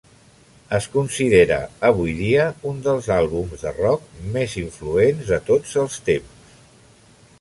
Es considera avui dia un dels àlbums de rock més influents de tots els temps.